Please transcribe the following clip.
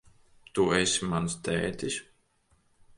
Tu esi mans tētis?